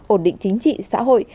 ổn định chính trị xã hội